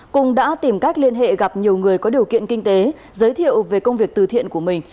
cung đã tìm cách liên hệ gặp nhiều người có điều kiện kinh tế giới thiệu về công việc từ thiện của mình